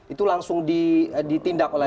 itu langsung ditindak oleh